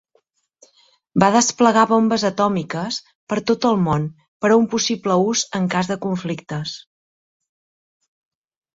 Va desplegar bombes atòmiques per tot el món per a un possible ús en cas de conflictes.